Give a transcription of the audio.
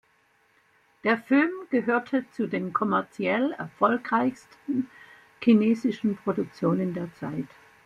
Der Film gehörte zu den kommerziell erfolgreichsten chinesischen Produktionen der Zeit.